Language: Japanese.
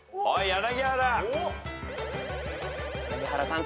柳原さん